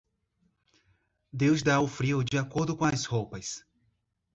Deus dá o frio de acordo com as roupas.